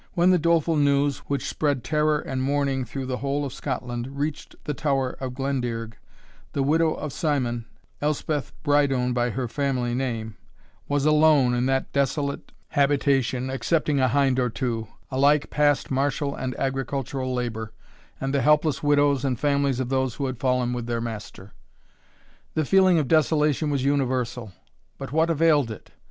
When the doleful news, which spread terror and mourning through the whole of Scotland, reached the Tower of Glendearg, the widow of Simon, Elspeth Brydone by her family name, was alone in that desolate habitation, excepting a hind or two, alike past martial and agricultural labour, and the helpless widows and families of those who had fallen with their master. The feeling of desolation was universal; but what availed it?